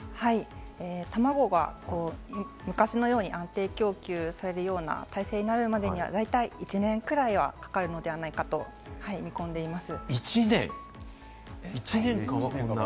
たまごが昔のように安定供給されるようになるには、大体１年くらいはかかるのではないかと見込んでいます。